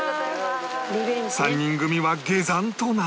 ３人組は下山となった